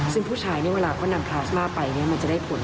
ซึ่งผู้ชายเขานำพลาสมาไปมันจะได้ผล๑๐๐